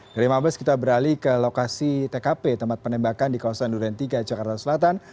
dari mabes kita beralih ke lokasi tkp tempat penembakan di kawasan duren tiga jakarta selatan